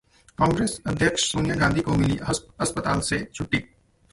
कांग्रेस अध्यक्ष सोनिया गांधी को मिली अस्पताल से छुट्टी